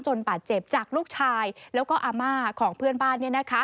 บาดเจ็บจากลูกชายแล้วก็อาม่าของเพื่อนบ้าน